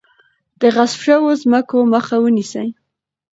د غصب شوو ځمکو مخه ونیسئ.